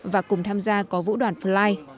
và cùng tham gia có vũ đoàn fly